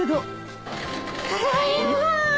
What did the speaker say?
ただいま。